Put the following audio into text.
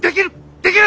できる。